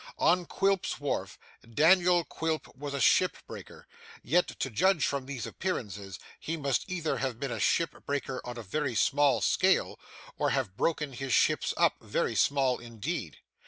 On Quilp's Wharf, Daniel Quilp was a ship breaker, yet to judge from these appearances he must either have been a ship breaker on a very small scale, or have broken his ships up very small indeed.